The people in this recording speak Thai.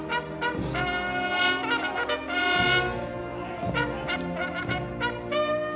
อัศวินธรรมชาติ